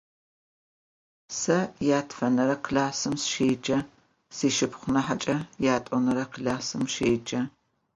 Se yatfenere klassım sışêce, sşşıpxhunahıç'e yat'onere klassım şêce.